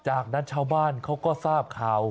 จากนั้นชาวบ้านเขาก็ทราบข่าว